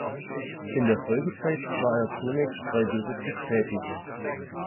In der Folgezeit war er zunächst freiberuflich tätig.